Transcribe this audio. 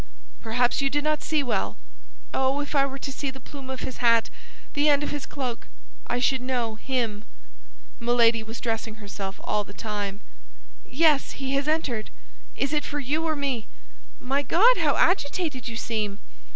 "Perhaps you did not see well." "Oh, if I were to see the plume of his hat, the end of his cloak, I should know him!" Milady was dressing herself all the time. "Yes, he has entered." "It is for you or me!" "My God, how agitated you seem!"